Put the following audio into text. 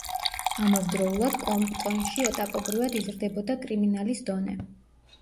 ამავდროულად, კომპტონში ეტაპობრივად იზრდებოდა კრიმინალის დონე.